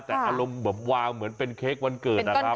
แต่อารมณ์แบบวางเหมือนเป็นเค้กวันเกิดนะครับ